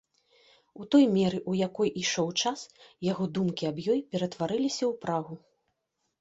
У той меры, у якой ішоў час, яго думкі аб ёй ператвараліся ў прагу.